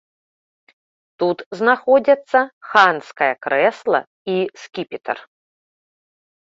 Тут знаходзяцца ханскае крэсла і скіпетр.